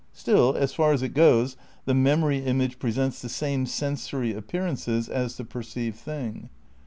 Still, as far as it goes, the memory image presents the same sensory appearances as the perceived thing.